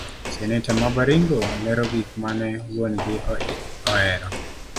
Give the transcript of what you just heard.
Seneta mar Baringo lero gik mane wuon gi ihero.